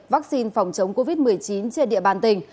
vaccine phòng chống covid một mươi chín trên địa bàn tỉnh